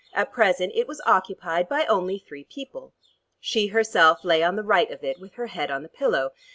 At present it was occupied by only three people. She herself lay on the right of it with her head on the pillow.